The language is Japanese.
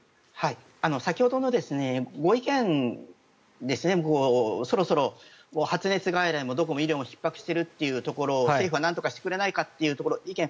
先ほどのご意見でそろそろ発熱外来もどこも医療もひっ迫しているというところを政府はなんとかしてくれないかという意見